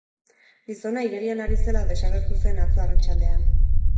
Gizona igerian ari zela desagertu zen atzo arratsaldean.